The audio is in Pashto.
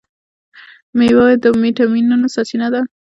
میوې د ویټامینونو سرچینه ده.